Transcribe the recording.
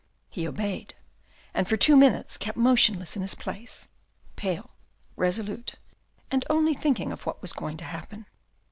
He obeyed, and for two minutes kept motionless in his place, pale, resolute, and only j hinking of what was going to happen.